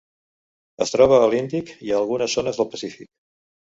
Es troba a l'Índic i a algunes zones del Pacífic.